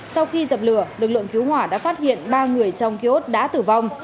sau khi dập lửa lực lượng cứu hỏa đã phát hiện ba người trong kiosk đã tử vong